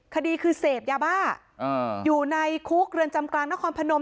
คดีคือเสพยาบ้าอยู่ในคุกเรือนจำกลางนครพนม